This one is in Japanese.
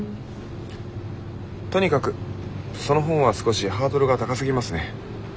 とにかくその本は少しハードルが高すぎますね。